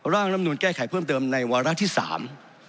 ร่างลำนูนแก้ไขเพิ่มเติมในวาระที่สาม